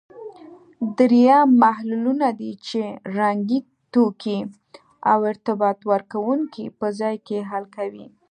دریم محللونه دي چې رنګي توکي او ارتباط ورکوونکي په ځان کې حل کوي.